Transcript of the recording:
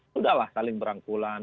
sudahlah saling berangkulan